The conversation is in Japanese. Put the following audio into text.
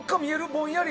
ぼんやり！